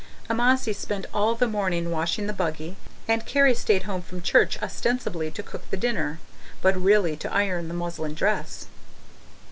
Amasai spent all the morning washing the buggy; and Carrie stayed home from church ostensibly to cook the dinner, but really to iron the muslin dress.